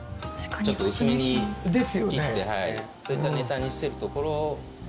ちょっと薄めに切ってそういったネタにしてるところが多いと。